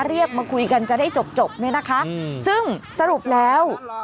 เรียกมาคุยกันจะได้จบเนี่ยนะคะซึ่งสรุปแล้ว